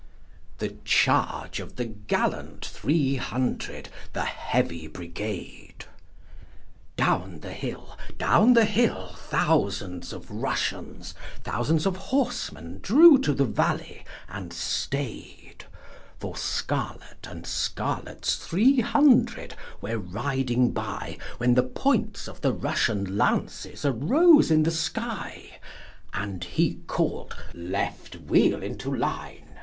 The charge of the gallant three hundred, the Heavy Brigade! Down the hill, down the hill, thousands of Russians, Thousands of horsemen, drew to the valley — and stay'd ; For Scarlett and Scarlett's three hundred were riding by When the points of the Russian lances arose in the sky; And he call'd 'Left wheel into line!'